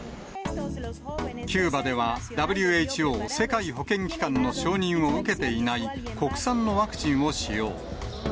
キューバではＷＨＯ・世界保健機関の承認を受けていない国産のワクチンを使用。